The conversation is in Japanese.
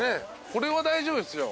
これは大丈夫ですよ。